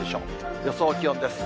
予想気温です。